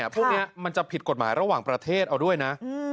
พวกนี้มันจะผิดกฎหมายระหว่างประเทศเอาด้วยนะ